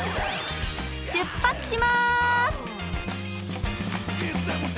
出発します！